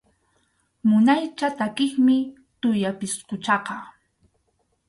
Munaycha takiqmi tuya pisquchaqa.